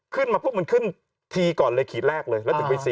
ขึ้นมาปุ๊บมันขึ้นทีก่อนเลยกีดแรกเลย